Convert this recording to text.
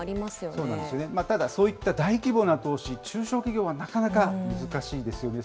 そうなんですよね、ただそういった大規模な投資、中小企業はなかなか難しいですよね。